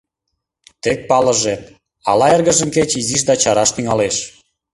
Тек палыже, ала эргыжым кеч изиш да чараш тӱҥалеш.